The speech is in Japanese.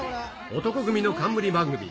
男闘呼組の冠番組。